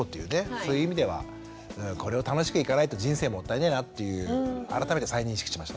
そういう意味ではこれを楽しくいかないと人生もったいねえなっていう改めて再認識しましたね。